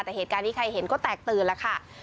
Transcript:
แต่เหตุการณ์นี้ใครเห็นก็แตกตื่นแล้วค่ะ